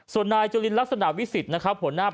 ส่วนนายจุลินลักษณะวิสิทธิ์นะครับ